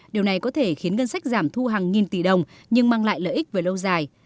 điều này có thể khiến ngân sách giảm thu hàng nghìn tỷ đồng nhưng mang lại lợi ích về lâu dài